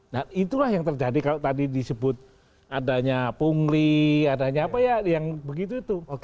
nah itulah yang terjadi kalau tadi disebut adanya pungli adanya apa ya yang begitu itu